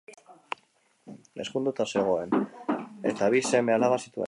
Ezkonduta zegoen eta bi seme-alaba zituen.